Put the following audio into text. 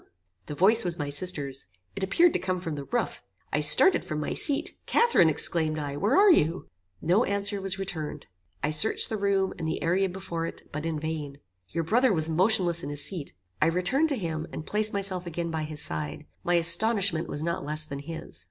The voice was my sister's. It appeared to come from the roof. I started from my seat. Catharine, exclaimed I, where are you? No answer was returned. I searched the room, and the area before it, but in vain. Your brother was motionless in his seat. I returned to him, and placed myself again by his side. My astonishment was not less than his."